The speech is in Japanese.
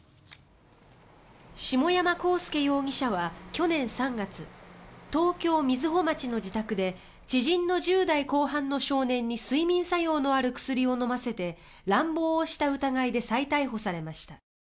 下山晃介容疑者は去年３月東京・瑞穂町の自宅で知人の１０代後半の少年に睡眠作用のある薬を飲ませて乱暴をした疑いで再逮捕されました。